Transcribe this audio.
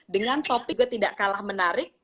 dengan topik yang tidak kalah menarik